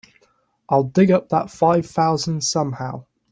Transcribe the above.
I'll dig up that five thousand somehow.